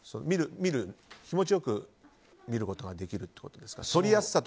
気持ちよく見ることができるってことですか。